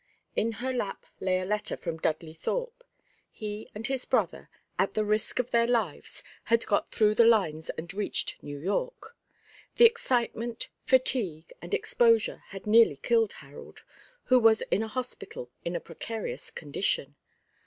In her lap lay a letter from Dudley Thorpe. He and his brother, at the risk of their lives, had got through the lines and reached New York. The excitement, fatigue, and exposure had nearly killed Harold, who was in a hospital in a precarious condition.